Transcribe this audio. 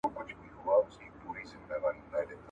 انسان د خطا خالي نه دئ.